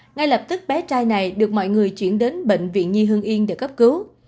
ngay lập tức bé trai này được mọi người chuyển đến bệnh viện nhi hương yên để cấp cứu